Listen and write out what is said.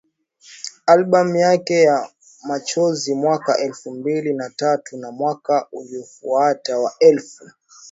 albamu yake ya Machozi mwaka elfu mbili na tatu na mwaka uliofuata wa elfu